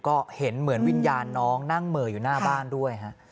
ก็เห็นเหมือนวิญญาณน้องนั่งเหม่ออยู่หน้าบ้านด้วยฮะ